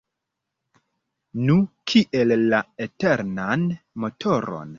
Nu, kiel la eternan motoron.